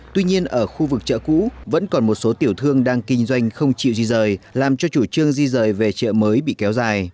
tuy nhiên ở khu vực chợ cũ vẫn còn một số tiểu thương đang kinh doanh không chịu di rời làm cho chủ trương di rời về chợ mới bị kéo dài